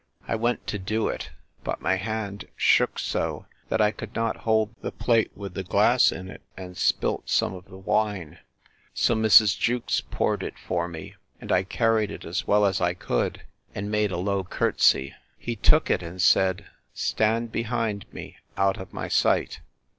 I went to do it, but my hand shook so, that I could not hold the plate with the glass in it, and spilt some of the wine. So Mrs. Jewkes poured it for me, and I carried it as well as I could; and made a low courtesy. He took it, and said, Stand behind me, out of my sight!